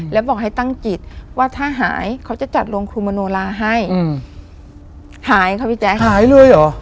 แล้วบอกให้ตั้งจิตว่าถ้าหายเขาจะจัดโรงครูมโนลาให้หายค่ะพี่แจ๊คหายเลยเหรอ